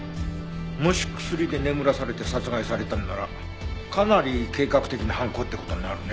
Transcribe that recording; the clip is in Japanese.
もし薬で眠らされて殺害されたのならかなり計画的な犯行って事になるね。